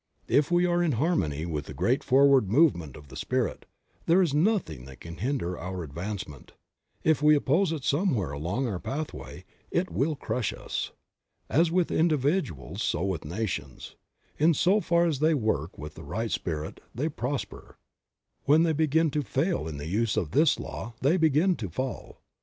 If we are in harmony with the great forward movement of the Spirit, there is nothing that can hinder our advance ment ; if we oppose it, somewhere along our pathway it will crush us. As with individuals so with nations ; in so 24 Creative Mind. far as they work with a right spirit they prosper ; when they begin to fail in the use of this law they begin to fall.